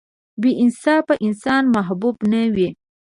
• بې انصافه انسان محبوب نه وي.